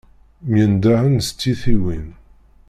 Myendahen s tyitiwin.